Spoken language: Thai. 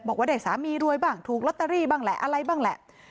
บอกว่าได้สามีรวยบ้างถูกลอตเตอรี่บ้างแหละอะไรบ้างแหละ